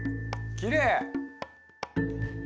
きれい！